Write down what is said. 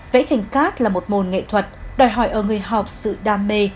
vẽ tranh cát là một môn nghệ thuật đòi hỏi ở người học sự đam mê